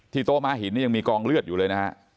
ที่โต้ม้าหินยังมีกองเลือดอยู่เลยนะครับ